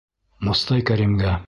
Мостай Кәримгә